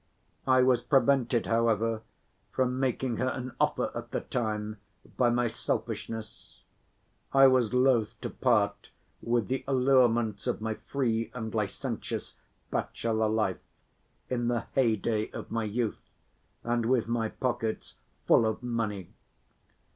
I was prevented, however, from making her an offer at the time by my selfishness, I was loath to part with the allurements of my free and licentious bachelor life in the heyday of my youth, and with my pockets full of money.